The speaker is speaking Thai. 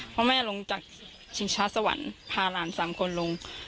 เพราะแม่ลงจากชิงช้าสวรรค์พาหลานสามคนลง